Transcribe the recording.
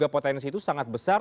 potensi itu sangat besar